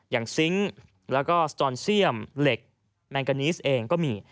ซิงค์แล้วก็สตอนเซียมเหล็กแมงกานีสเองก็มี